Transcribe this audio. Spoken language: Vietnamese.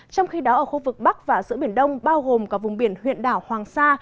trong khi đó ở khu vực bắc và giữa biển đông bao gồm cả vùng biển huyện đảo hoàng sa